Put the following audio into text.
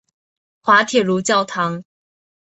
滑铁卢教堂。